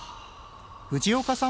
藤岡さん